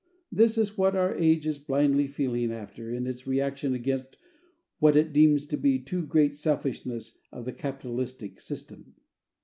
This is what our age is blindly feeling after in its reaction against what it deems the too great selfishness of the capitalistic system.